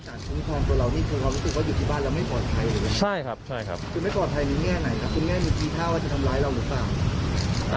คุณแง่มีกีร่าวจะทำร้ายเราหรือเปล่า